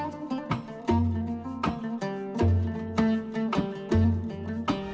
terima kasih pak